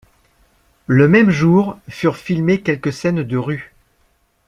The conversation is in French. Le même jour furent filmées quelques scènes de rues.